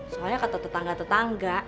soalnya kata tetangga tetangga